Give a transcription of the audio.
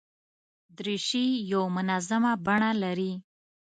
دریشي یو منظمه بڼه لري.